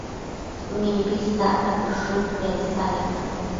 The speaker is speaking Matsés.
mimbi isacta tësëdtiad isadec